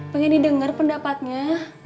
pengen didengar pendapatnya